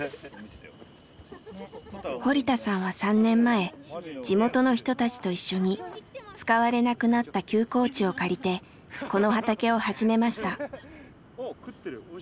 堀田さんは３年前地元の人たちと一緒に使われなくなった休耕地を借りてこの畑を始めました。